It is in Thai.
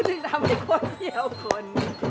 ซึ่งทำให้คนเดียวคน